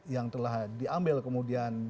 yang telah diambil kemudian